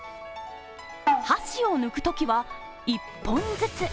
箸を抜くときは、１本ずつ。